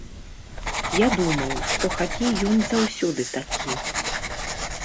Я думаў, што хакей ён заўсёды такі.